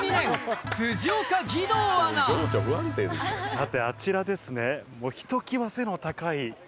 さてあちらですね。